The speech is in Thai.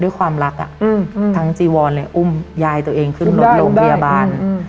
ด้วยความรักอ่ะอืมอืมทั้งจีวรเลยอุ้มยายตัวเองขึ้นรถโรงพยาบาลอืม